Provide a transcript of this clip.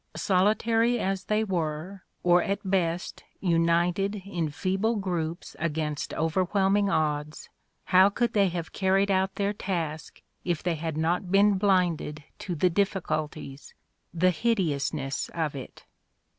Solitary as they were, or at best united in feeble groups against overwhelming odds, how could they have carried out their task if they had not been blinded to the difSculties, the hideousness of it?